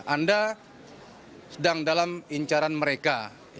anda sedang dalam incaran mereka